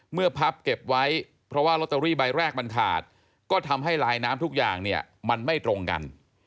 พับเก็บไว้เพราะว่าลอตเตอรี่ใบแรกมันขาดก็ทำให้ลายน้ำทุกอย่างเนี่ยมันไม่ตรงกัน